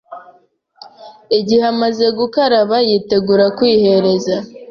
igihe amaze gukaraba yitegura kwihereza